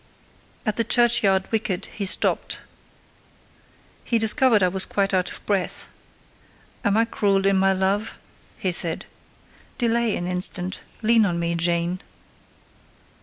At the churchyard wicket he stopped: he discovered I was quite out of breath. "Am I cruel in my love?" he said. "Delay an instant: lean on me, Jane."